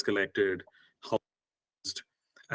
apa yang dikumpulkan